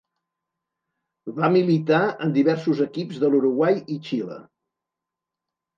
Va militar en diversos equips de l'Uruguai i Xile.